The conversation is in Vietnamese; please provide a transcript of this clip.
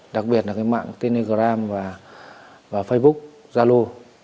đặc biệt là mạng telegram và facebook zalo